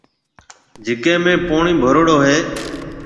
جڪَي ۾ پوڻِي ڀروڙو هيَ۔